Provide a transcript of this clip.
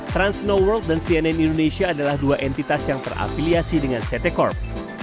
trans snow world dan cnn indonesia adalah dua entitas yang terafiliasi dengan ct corp